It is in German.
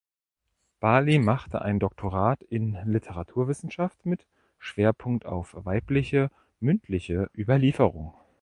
Bali machte ein Doktorat in Literaturwissenschaft mit Schwerpunkt auf weibliche mündliche Überlieferung.